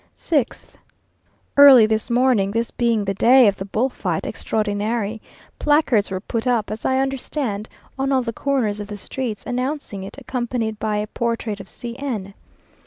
6th. Early this morning, this being the day of the "bull fight extraordinary," placards were put up, as I understand, on all the corners of the streets, announcing it, accompanied by a portrait of C n!